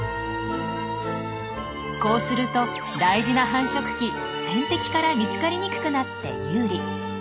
こうすると大事な繁殖期天敵から見つかりにくくなって有利。